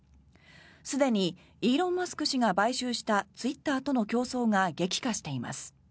すでにイーロン・マスク氏が買収したツイッターとの競争が激化しています。